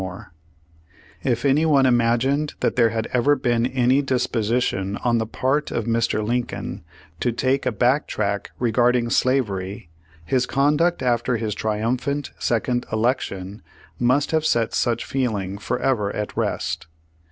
Page One Hundred sixty Page One Hundred sixty one If any one imagined that there had ever been any disposition on the part of Mr. Lincoln to take a back track regarding slavery, his conduct after his triumphant second election, must have set such feeling forever at rest.